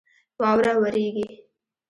واوره ورېږي